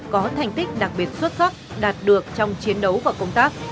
có thành tích đặc biệt xuất sắc đạt được trong chiến đấu và công tác